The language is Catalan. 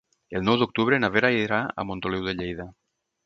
El nou d'octubre na Vera irà a Montoliu de Lleida.